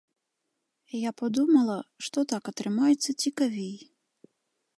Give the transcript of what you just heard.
Я падумала, што так атрымаецца цікавей.